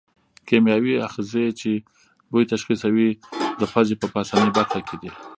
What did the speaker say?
کیمیاوي آخذې چې بوی تشخیصوي د پزې په پاسنۍ برخه کې دي.